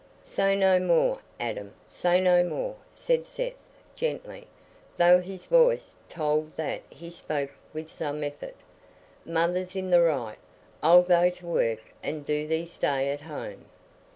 "Say no more, Adam, say no more," said Seth, gently, though his voice told that he spoke with some effort; "Mother's in the right. I'll go to work, and do thee stay at home."